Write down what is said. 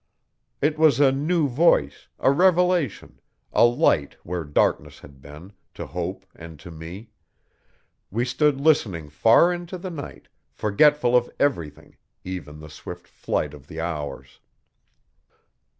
It was a new voice, a revelation, a light where darkness had been, to Hope and to me. We stood listening far into the night, forgetful of everything, even the swift flight of the hours.